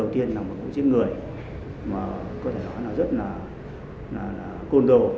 thì là một vụ giết người mà có thể nói là rất là con rồ